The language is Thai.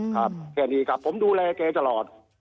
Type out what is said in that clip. แค่นี้ครับผมดูแลแกตลอด